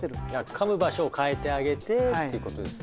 かむ場所を変えてあげてってことですね。